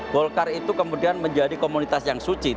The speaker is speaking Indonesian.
golkar itu kemudian menjadi komunitas yang suci